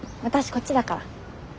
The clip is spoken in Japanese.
こっちだから。